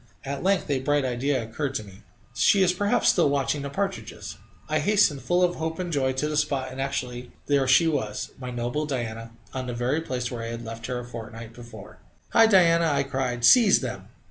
At length a bright idea occurred to me: "She is perhaps still watching the partridges." I hastened, full of hope and joy, to the spot, and actually there she was! my noble Diana on the very place where I had left her a fortnight before. "Hi, Diana!" I cried. "Seize them!"